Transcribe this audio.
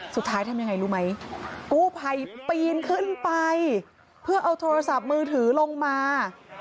ทำยังไงรู้ไหมกู้ภัยปีนขึ้นไปเพื่อเอาโทรศัพท์มือถือลงมา